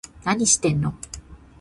何してんの